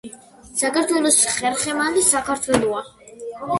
საქართველოს ხერხემალი საქართველოა.